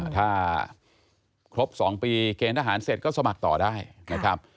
ถ้าครบ๒ปีเกณฑ์ทหารเสร็จก็สมัครต่อได้นะครับ